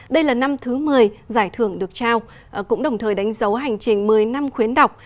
đây là năm thứ một mươi giải thưởng được trao cũng đồng thời đánh dấu hành trình một mươi năm khuyến đọc